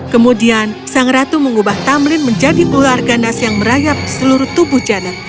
kemudian sang ratu mengubah tamlin menjadi ular ganas yang merayap seluruh tubuh janet